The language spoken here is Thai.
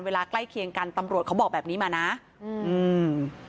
ใกล้เคียงกันตำรวจเขาบอกแบบนี้มานะอืมอืม